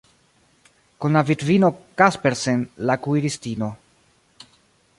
Kun la vidvino Kaspersen, la kuiristino.